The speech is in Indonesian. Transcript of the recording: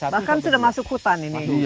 bahkan sudah masuk hutan ini